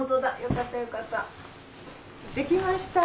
できました。